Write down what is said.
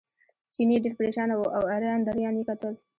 چیني ډېر پرېشانه و او اریان دریان یې کتل.